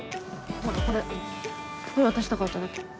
ほらこれこれ渡したかっただけ。